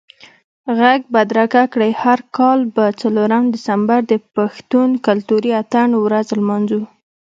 ږغ بدرګه کړئ، هر کال به څلورم دسمبر د پښتون کلتوري اتڼ ورځ لمانځو